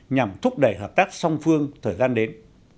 nhằm thúc đẩy hợp tác song phương thời gian đến